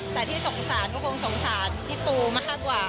แต่ที่สงสารก็คงสงสารพี่ปูมากกว่า